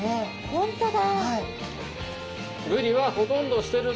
本当だ。